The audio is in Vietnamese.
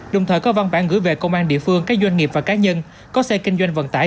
đồng thời có văn bản gửi về công an địa phương các doanh nghiệp và cá nhân có xe kinh doanh vận tải